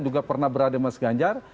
juga pernah berada mas ganjar